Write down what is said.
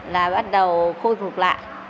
là bắt đầu khôi phục lại